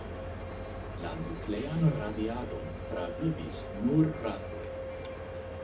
La nuklean radiadon travivis nur ratoj.